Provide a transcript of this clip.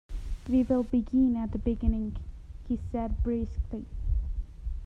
"We will begin at the beginning," he said briskly.